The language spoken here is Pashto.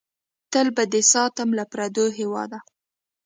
تل به دې ساتم له پردو هېواده!